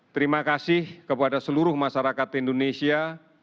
terima kasih kepada seluruh masyarakat indonesia